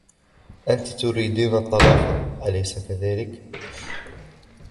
أنتِ تريدين الطلاق, أليس كذلك؟